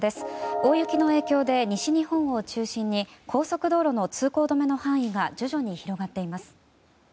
大雪の影響で西日本を中心に高速道路の通行止めの範囲が徐々に広がっています。